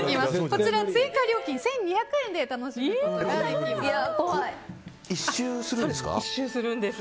こちら、追加料金１２００円で楽しむことができます。